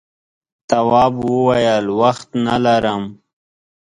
تواب وویل وخت نه لرم.